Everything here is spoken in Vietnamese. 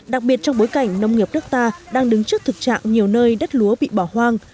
đặc biệt trong bối cảnh nông nghiệp nước ta đang đứng trước thực trạng nhiều nơi đất lúa bị bỏ hoang